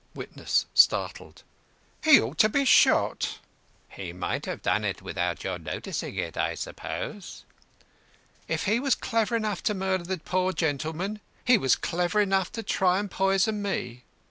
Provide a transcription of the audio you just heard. WITNESS (startled): "He ought to be shot." "He might have done it without your noticing it, I suppose?" "If he was clever enough to murder the poor gentleman, he was clever enough to try and poison me."